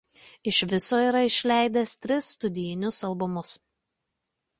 Iš viso yra išleidęs tris studijinius albumus.